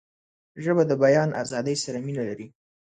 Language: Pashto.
ژبه د بیان آزادۍ سره مینه لري